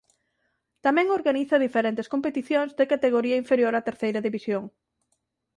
Tamén organiza diferentes competicións de categoría inferior á Terceira División.